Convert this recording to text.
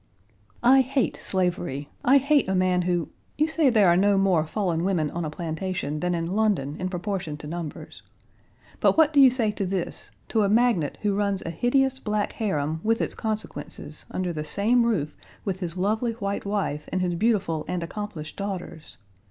"I hate slavery. I hate a man who You say there are no more fallen women on a plantation than in London in proportion to numbers. But what do you say to this to a magnate who runs a hideous black harem, with its consequences, under the same roof with his lovely white wife and his beautiful and accomplished daughters?